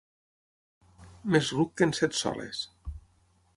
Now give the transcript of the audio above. Més ruc que en Set-soles.